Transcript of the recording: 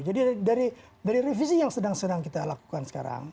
jadi dari revisi yang sedang sedang kita lakukan sekarang